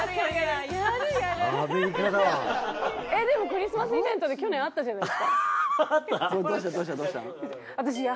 でもクリスマスイベントで去年会ったじゃないですか。